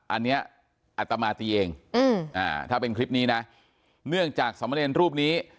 อันนี้อัตมาตีเองถ้าเป็นคลิปนี้นะเนื่องจากสมเนรรูปนี้